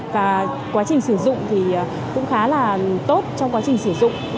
và quá trình sử dụng thì cũng khá là tốt trong quá trình sử dụng